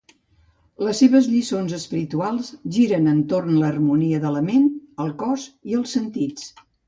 Les seves lliçons espirituals giren entorn l'harmonia de la ment, el cos i els sentits.